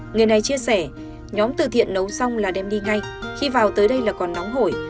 người này chia sẻ nhóm từ thiện nấu xong là đem đi ngay khi vào tới đây là còn nóng hổi